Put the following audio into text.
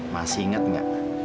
masih ingat nga